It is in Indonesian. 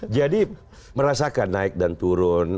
jadi merasakan naik dan turun